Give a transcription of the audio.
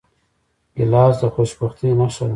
ګیلاس د خوشبختۍ نښه ده.